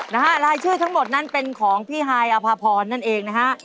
นะฮะรายชื่อทั้งหมดนั้นเป็นของพี่ฮายอภพรนั่นเองนะฮะ